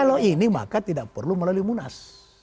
kalau ini maka tidak perlu melalui munas